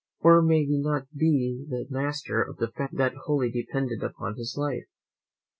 or, may not he be the master of a family that wholly depended upon his life?